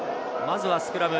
まずはスクラム。